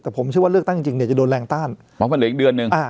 แต่ผมคิดว่าเลือกตั้งจริงจริงเนี้ยจะโดนแรงต้านเหมือนมันเหลืออีกเดือนนึงอ่า